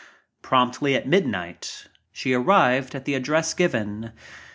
Promptly at midnight she arrived at the address given.